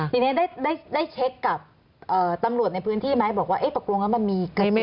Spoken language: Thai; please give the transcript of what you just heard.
ทีนี้ได้เช็คกับตำรวจในพื้นที่ไหมบอกว่าตกลงแล้วมันมีคลิปนี้